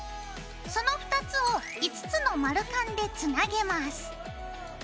その２つを５つの丸カンでつなげます。